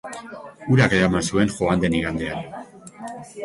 Urak eraman zuen joan den igandean.